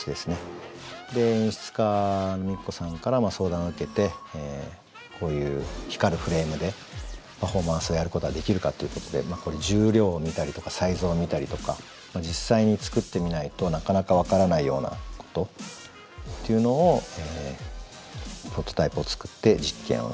演出家のＭＩＫＩＫＯさんから相談受けてこういう光るフレームでパフォーマンスをやることはできるかっていうことでこれ重量を見たりとかサイズを見たりとか実際に作ってみないとなかなか分からないようなことっていうのをプロトタイプを作って実験をしています。